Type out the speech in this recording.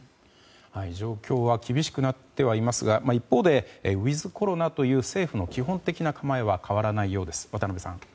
状況は厳しくなってはいますが一方でウィズコロナという政府の基本的な構えは変わらないようです。